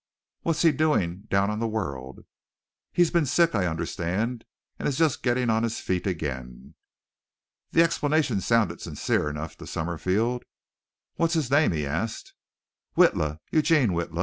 "What's he doing down on the World?" "He's been sick, I understand, and is just getting on his feet again." The explanation sounded sincere enough to Summerfield. "What's his name?" he asked. "Witla, Eugene Witla.